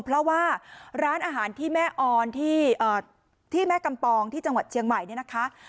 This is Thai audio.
เพราะว่าร้านอาหารที่แม่ออนที่แม่กำปองที่จังหวัดเชียงใหม่เนี่ยนะคะ